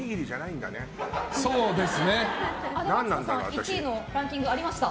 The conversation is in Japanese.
１位のランキングありました。